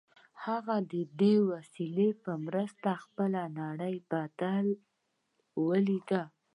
هغه د دې وسیلې په مرسته خپله نړۍ بدله ولیده